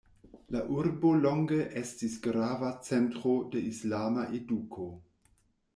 La urbo longe estis grava centro de islama eduko.